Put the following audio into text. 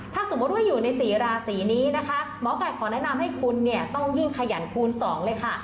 ถ้าสมมุติว่าอยู่ในสี่ราศีนี้นะคะหมอไก่ขอแนะนำให้คุณเนี่ยต้องยิ่งขยันคูณ๒เลยค่ะ